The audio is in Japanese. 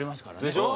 ・でしょ？